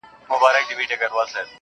جرس فرهاد زما نژدې ملگرى.